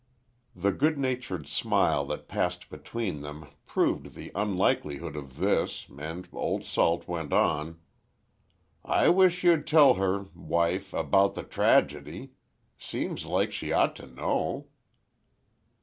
The good natured smile that passed between them, proved the unlikelihood of this, and Old Salt went on. "I wish you'd tell her, wife, about the tragedy. Seems like she ought to know."